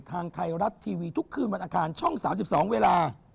ทางไทยรัฐทีวีทุกคืนวันอังคารช่อง๓๒เวลา